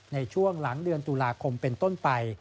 ในช่วงหลังเดือนตุลาคมเป็นต้นไป